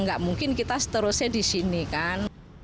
nggak mungkin kita seterusnya di sini kan